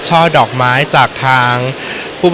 สวัสดีครับ